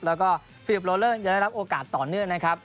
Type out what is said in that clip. แล้วก็ฟิลิปโลเลอร์จะได้รับโอกาสต่อเนื่องนะครับ